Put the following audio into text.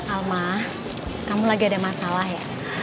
alma kamu lagi ada masalah ya